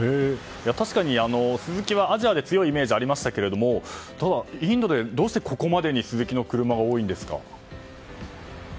確かにスズキはアジアで強いイメージがありましたがただ、インドでどうしてここまでスズキの車が多いんですか。